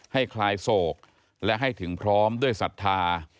คลายโศกและให้ถึงพร้อมด้วยศรัทธา